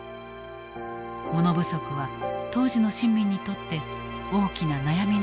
物不足は当時の市民にとって大きな悩みの種だった。